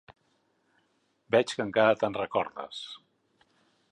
Veig que encara te'n recordes.